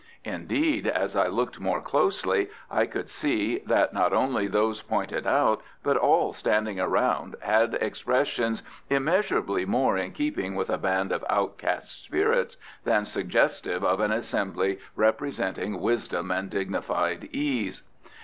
Indeed, as I looked more closely, I could see that not only those pointed out, but all standing around, had expressions immeasurably more in keeping with a band of outcast spirits than suggestive of an assembly representing wisdom and dignified ease.